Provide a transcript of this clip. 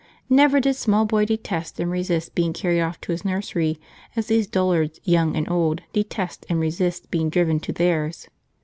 Never did small boy detest and resist being carried off to his nursery as these dullards, young and old, detest and resist being driven to theirs.